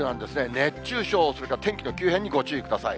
熱中症、それから天気の急変にご注意ください。